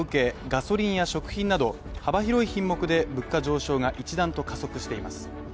ガソリンや食品など幅広い品目で物価上昇が一段と加速しています。